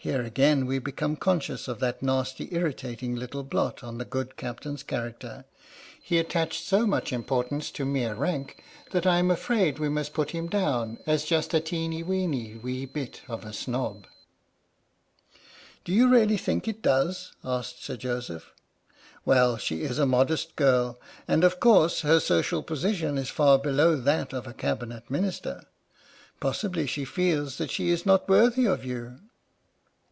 Here again we become conscious of that nasty irritating little blot on the good Captain's character. He attached so much importance to mere rank that I am afraid we must put him down as just a teeny weeny wee bit of a sn b. 90 WHAT ARE YOU TRYING TO DO?" SAID SIR JOSEPH H.M.S. "PINAFORE" " Do you really think it does? " asked Sir Joseph. " Well, she is a modest girl, and, of course, her social position is far below that of a Cabinet Minister. Possibly she feels that she is not worthy of you."